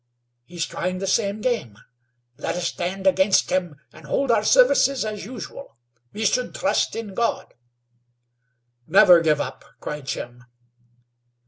He's trying the same game. Let us stand against him, and hold our services as usual. We should trust in God!" "Never give up!" cried Jim.